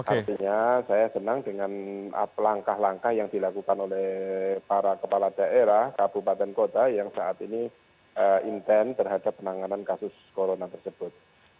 artinya saya senang dengan langkah langkah yang dilakukan oleh para kepala daerah kabupaten kota yang saat ini intent terhadap penanganan kasus corona tersebut